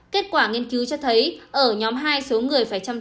kết quả nghiên cứu cho thấy ở nhóm hai số người phải chăm sóc